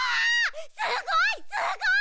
すごいすごい！